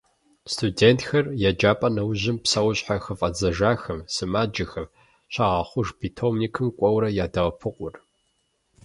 Студентхэр еджапӏэ нэужьым, псэущьхьэ хыфӏадзэжахэр, сымаджэхэр, щагъэхъуж питомникым кӏуэуэрэ ядоӏэпыкъур.